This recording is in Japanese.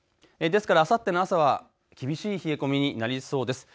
ですからあさっての朝は厳しい冷え込みになりそうです。